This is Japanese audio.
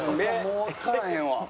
もうわからへんわ。